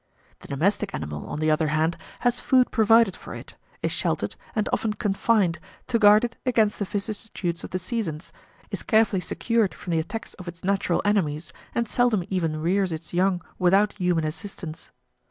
The domestic animal, on the other hand, has food provided for it, is sheltered, and often confined, to guard it against the vicissitudes of the seasons, is carefully secured from the attacks of its natural enemies, and seldom even rears its young without human assistance.